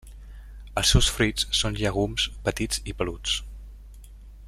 Els seus fruits són llegums petits i peluts.